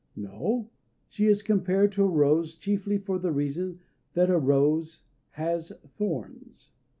No; she is compared to a rose chiefly for the reason that a rose has thorns.